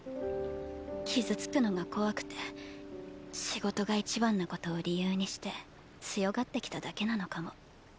傷つくのが怖くて仕事がいちばんなことを理由にして強がってきただけなのかも。